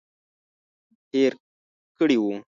هېر کړي وو.